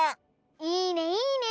いいねいいね！